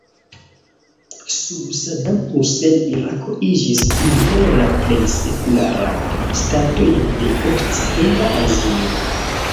Sub Saddam Hussein Irako iĝis unu el la plej sekularaj ŝtatoj de okcidenta Azio.